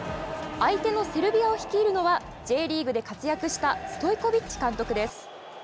相手のセルビアを率いるのは、Ｊリーグで活躍したストイコビッチ監督です。